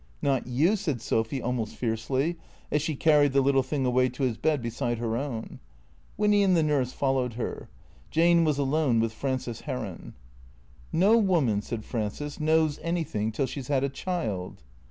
" Not you," said Sophy almost fiercely, as she carried the little thing away to his bed beside her own. Winny and the nurse followed her. Jane was alone with Frances Heron. " ]SI"o woman," said Frances, " knows anything till she 's had a child."